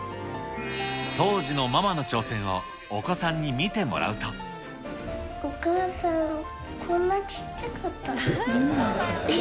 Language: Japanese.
当時のママの挑戦をお子さんお母さん、こんな小っちゃかったの？